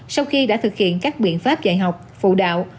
sau khi đã thực hiện các biện pháp dạy học phụ đạo